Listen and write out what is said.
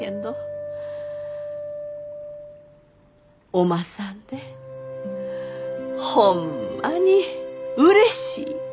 おまさんでホンマにうれしい！